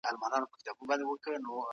د بهرنی پالیسي موخي تل نه ترلاسه کېږي.